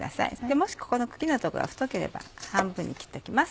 もしここの茎のとこが太ければ半分に切っておきます。